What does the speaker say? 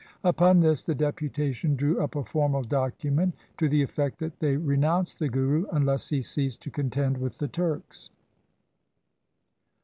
Upon this the deputation drew up a formal document to the effect that they re nounced the Guru unless he ceased to contend with the Turks.